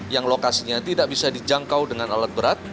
yang lokasinya tidak bisa dijangkau dengan alat berat